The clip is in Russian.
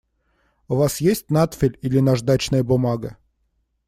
У вас есть надфиль или наждачная бумага?